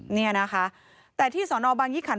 เนี่ยนะคะแต่ที่สอนอบางยี่ขัน